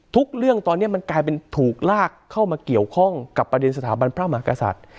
เรื่องตอนนี้มันกลายเป็นถูกลากเข้ามาเกี่ยวข้องกับประเด็นสถาบันพระมหากษัตริย์